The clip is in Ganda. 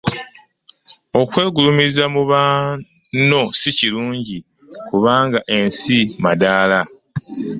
Okwegulumiza mu banno si kirungi kubanga ensi madaala.